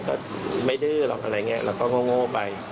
ก็ไม่ดื้อหรอกอะไรอย่างนี้เราก็โง่ไป